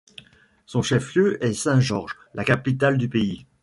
Son chef-lieu est Saint-Georges, la capitale du pays.